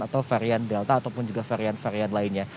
atau varian delta ataupun juga varian varian lainnya